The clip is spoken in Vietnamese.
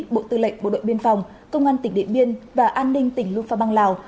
bộ tư lệnh bộ đội biên phòng công an tỉnh điện biên và an ninh tỉnh luôn pha băng lào